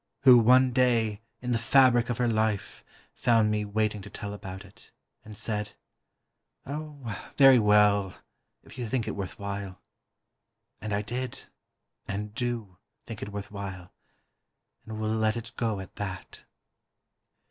who one day, in the fabric of her life, found me waiting to tell about it, and said: "Oh, very well, if you think it worth while"; and I did, and do, think it worth while, and will let it go at that.